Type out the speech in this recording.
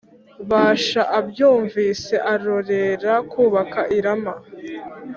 Bāsha abyumvise arorera kubaka i Rama